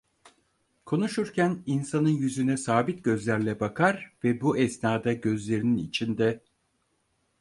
Konuşurken insanın yüzüne sabit gözlerle bakar ve bu esnada gözlerinin içinde: